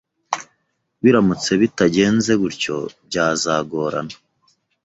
Biramutse bitagenze gutyo byazagorana